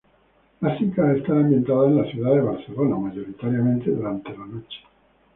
Las citas están ambientadas en la ciudad de Barcelona, mayoritariamente durante la noche.